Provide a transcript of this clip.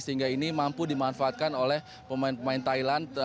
sehingga ini mampu dimanfaatkan oleh pemain pemain thailand